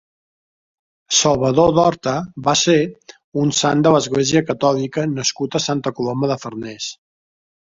Salvador d'Horta va ser un sant de l'Església Catòlica nascut a Santa Coloma de Farners.